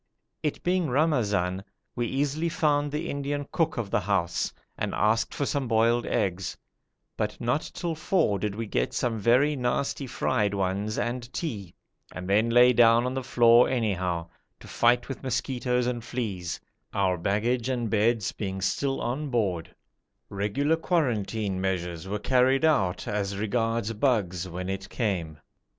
It being Ramazan, we easily found the Indian cook of the house, and asked for some boiled eggs, but not till four did we get some very nasty fried ones and tea, and then lay down on the floor anyhow, to fight with mosquitoes and fleas, our baggage and beds being still on board; regular quarantine measures were carried out as regards bugs when it came.